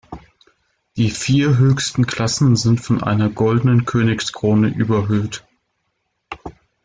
Die vier höchsten Klassen sind von einer goldenen Königskrone überhöht.